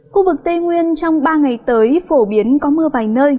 khu vực tây nguyên trong ba ngày tới phổ biến có mưa vài nơi